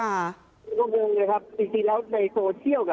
ในโซเชียลกับเรื่องสำนวนจริงเนี่ย